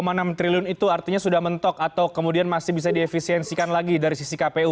bang idham tujuh puluh enam enam triliun itu artinya sudah mentok atau kemudian masih bisa diefisiensikan lagi dari sisi kpu